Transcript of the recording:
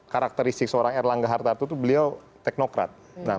karakteristik seorang erlangga hartarto itu beliau teknokrat